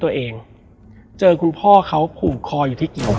แล้วสักครั้งหนึ่งเขารู้สึกอึดอัดที่หน้าอก